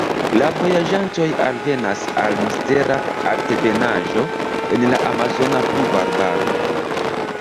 La vojaĝantoj alvenas al mistera altebenaĵo en la amazona pluvarbaro.